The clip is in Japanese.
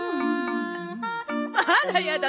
あらやだ